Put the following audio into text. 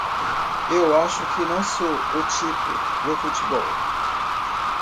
Eu acho que não sou o tipo de futebol.